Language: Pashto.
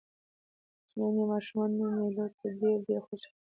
کوچنيان يا ماشومان و مېلو ډېر ته ډېر خوشحاله يي.